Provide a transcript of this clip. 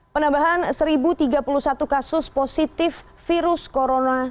penambahan satu tiga puluh satu kasus positif virus corona